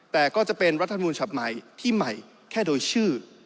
แต่ก็จะเป็นรัฐธรรมนูญฉบับใหม่ที่ใหม่แค่โดยชื่อ